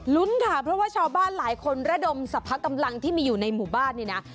ค่ะเพราะว่าชาวบ้านหลายคนระดมสรรพกำลังที่มีอยู่ในหมู่บ้านนี่นะ